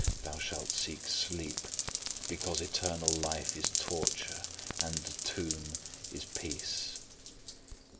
Thou shalt seek sleep, because eternal life is torture, and the tomb is peace.